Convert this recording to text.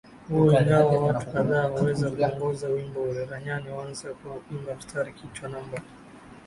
huo ingawa watu kadhaa huweza kuongoza wimbo Olaranyani huanza kwa kuimba mstari kichwa namba